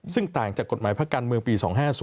ซึ่งต่างจากกฎหมายภาคการเมืองปี๒๕๐